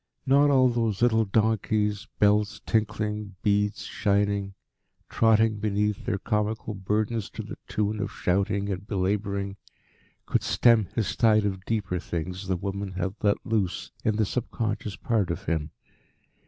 Not all those little donkeys, bells tinkling, beads shining, trotting beneath their comical burdens to the tune of shouting and belabouring, could stem this tide of deeper things the woman had let loose in the subconscious part of him.